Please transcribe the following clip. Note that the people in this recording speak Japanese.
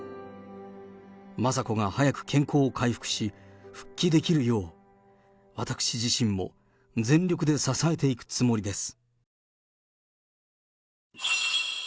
雅子が早く健康を回復し、復帰できるよう、私自身も全力で支えていくつもりです。